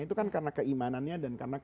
itu kan karena keimanannya dan karena